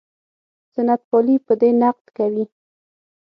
سنت پالي په دې نقد کوي.